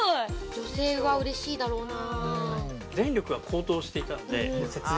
女性はうれしいだろうな。